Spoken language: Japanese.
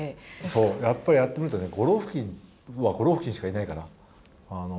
そう、やっぱりやってみるとね、ゴロフキンはゴロフキンしかいないから。